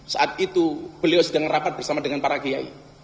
saat itu beliau sedang rapat bersama dengan para kiai